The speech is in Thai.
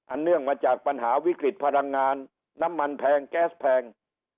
เนื่องมาจากปัญหาวิกฤตพลังงานน้ำมันแพงแก๊สแพง